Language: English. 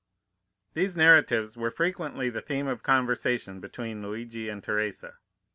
"These narratives were frequently the theme of conversation between Luigi and Teresa.